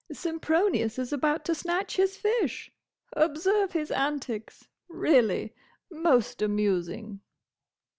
"Sempronius is about to snatch his fish! Observe his antics! Reely, most amusing!"